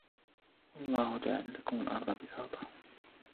والله جعل لكم الأرض بساطا